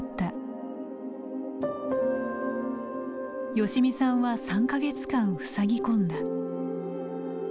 善美さんは３か月間ふさぎ込んだ。